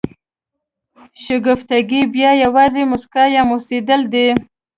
شګفتګي بیا یوازې مسکا یا موسېدل دي.